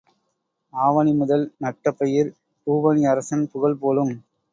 ஆவணி முதல் நட்ட பயிர் பூவணி அரசன் புகழ் போலும்.